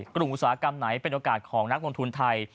อุตสาหกรรมไหนเป็นโอกาสของนักลงทุนไทย